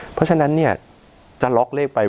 เพราะฉะนั้นเนี่ยจะล็อกเลขไป